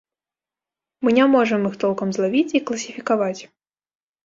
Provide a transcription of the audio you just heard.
Мы не можам іх толкам злавіць і класіфікаваць.